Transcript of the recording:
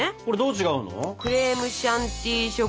これどう違うの？